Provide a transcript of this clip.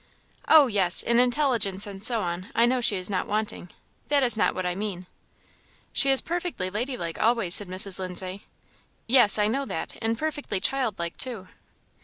"Oh, yes, in intelligence and so on, I know she is not wanting; that is not what I mean." "She is perfectly lady like always," said Mrs. Lindsay. "Yes, I know that, and perfectly child like too."